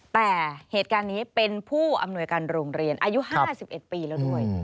แต่เหตุการณ์นี้เป็นผู้อำนวยการโรงเรียนอายุ๕๑ปีแล้วด้วย